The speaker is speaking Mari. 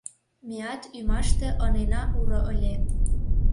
Меат ӱмаште ынена уро ыле.